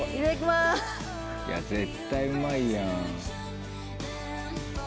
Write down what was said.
絶対うまいやん。